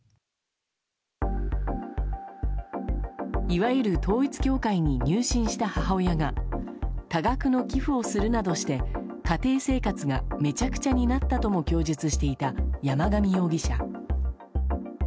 いわゆる統一教会に入信した母親が多額の寄付をするなどして家庭生活がめちゃくちゃになったとも供述していた山上容疑者。